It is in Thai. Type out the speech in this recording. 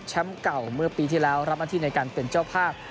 เก่าเมื่อปีที่แล้วรับหน้าที่ในการเป็นเจ้าภาพ